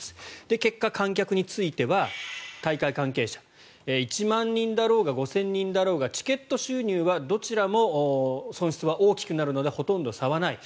結果、観客については大会関係者、１万人だろうが５０００人だろうがチケット収入はどちらも損失は大きくなるのでほとんど差はない。